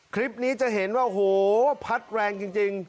คลิปนี้จะเห็นว่าโหพัดแรงจริง